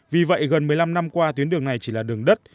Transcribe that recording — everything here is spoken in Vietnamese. vì vậy gần một mươi năm năm qua tuyến đường này chỉ là đường đất